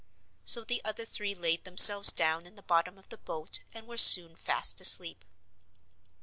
So the other three laid themselves down in the bottom of the boat and were soon fast asleep.